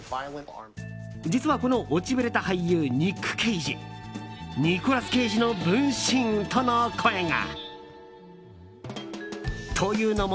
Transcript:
実は、この落ちぶれた俳優ニック・ケイジニコラス・ケイジの分身との声が。というのも。